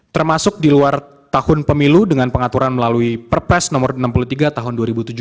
termasuk di luar tahun pemilu dengan pengaturan melalui perpres nomor enam puluh tiga tahun dua ribu tujuh belas